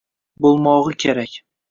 bo‘lmog‘i kerak.